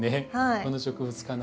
この植物かなり。